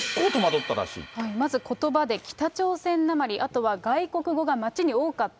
まず、ことばで北朝鮮なまり、あとは、外国語が街に多かった。